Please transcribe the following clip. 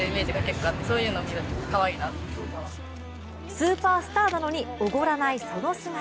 スーパースターなのにおごらないその姿。